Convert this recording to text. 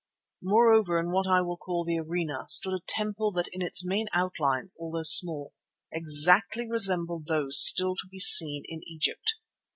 Moreover, in what I will call the arena, stood a temple that in its main outlines, although small, exactly resembled those still to be seen in Egypt.